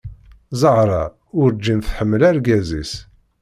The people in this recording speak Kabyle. Zahra urǧin tḥemmel argaz-is.